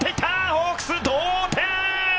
ホークス、同点！